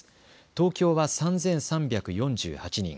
東京は３３４８人。